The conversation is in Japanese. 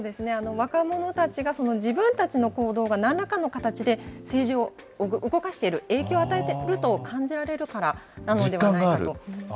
若者たちが自分たちの行動がなんらかの形で政治を動かしている、影響を与えると感じられるからなのではないかと。